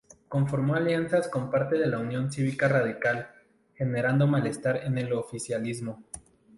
Conformó alianzas con parte de la Unión Cívica Radical, generando malestar en el oficialismo.